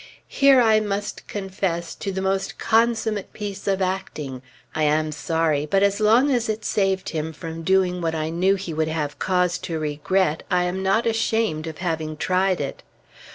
Here I must confess to the most consummate piece of acting; I am sorry, but as long as it saved him from doing what I knew he would have cause to regret, I am not ashamed of having tried it.